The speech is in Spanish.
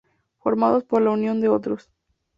Formados por la unión de otros.